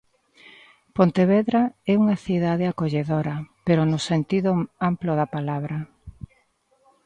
Pontevedra é unha cidade acolledora, pero no sentido amplo da palabra.